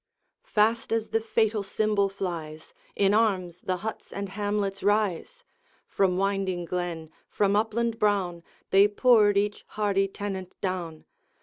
Fast as the fatal symbol flies, In arms the huts and hamlets rise; From winding glen, from upland brown, They poured each hardy tenant down.